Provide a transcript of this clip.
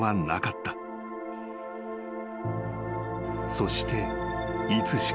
［そしていつしか］